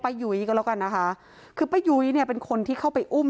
ยุ้ยก็แล้วกันนะคะคือป้ายุ้ยเนี่ยเป็นคนที่เข้าไปอุ้ม